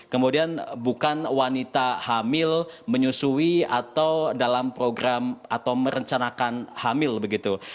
kemudian bukan wanita hamil menyusui atau dalam program atau merencanakan hamil begitu